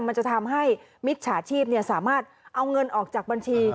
มันจะทำให้มิจฉาชีพสามารถเอาเงินออกจากบัญชี